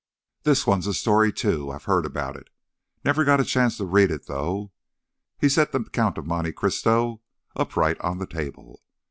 This one's a story, too. I've heard about it ... never got a chance to read it though." He set The Count of Monte Cristo upright on the table.